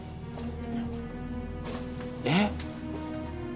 えっ？